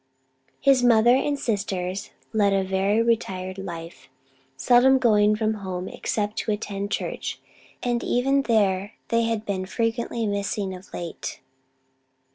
His mother and sisters led a very retired life seldom going from home except to attend church and even there they had been frequently missing of late.